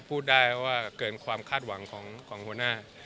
พูดได้ว่าเกินความคาดหวังของหัวหน้า